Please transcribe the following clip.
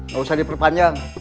gak usah diperpanjang